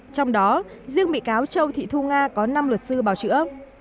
trong đó riêng bị cáo châu thị thu nga có năm luật sư bào chữa